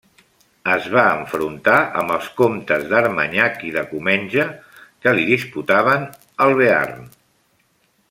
Es va enfrontar amb els comtes d'Armanyac i de Comenge que li disputaven el Bearn.